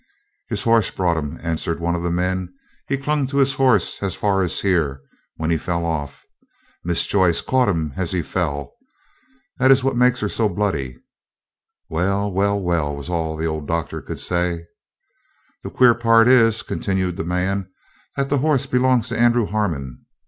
"His horse brought him," answered one of the men. "He clung to his horse as far as here, when he fell off. Miss Joyce caught him as he fell. That is what makes her so bloody." "Well! well! well!" was all that the old Doctor could say. "The queer part is," continued the man, "that the horse belongs to Andrew Harmon.